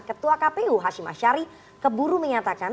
ketua kpu hashim ashari keburu menyatakan